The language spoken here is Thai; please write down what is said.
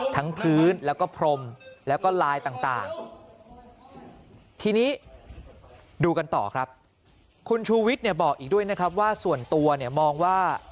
พื้นแล้วก็พรมแล้วก็ลายต่างทีนี้ดูกันต่อครับคุณชูวิทย์เนี่ยบอกอีกด้วยนะครับว่าส่วนตัวเนี่ยมองว่า